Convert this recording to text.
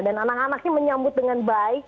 dan anak anaknya menyambut dengan baik